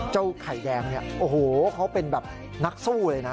เจ้าไข่แดงนี่โอ้โฮเขาเป็นนักสู้เลยนะ